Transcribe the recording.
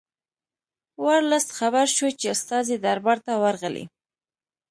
ورلسټ خبر شو چې استازي دربار ته ورغلي.